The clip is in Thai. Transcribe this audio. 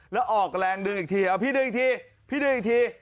แล้วออกแรงดึงอีกทีเอาพี่ดึงอีกทีพี่ดึงอีกที